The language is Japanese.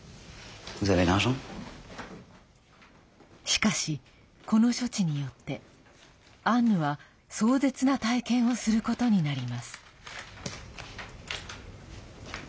しかし、この処置によってアンヌは壮絶な体験をすることになります。